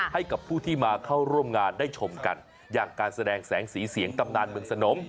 ให้กับผู้ที่มาเข้าร่วมงานได้ชมกันอย่างการแสดงแสงสีเสียงตำนานเมืองสนม